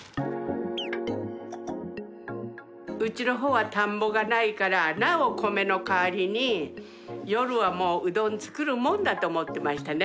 うちの方は田んぼがないからなお米の代わりに夜はもううどん作るもんだと思ってましたね。